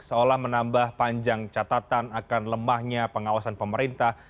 seolah menambah panjang catatan akan lemahnya pengawasan pemerintah